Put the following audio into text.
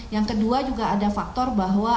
yang kedua juga ada faktor bahwa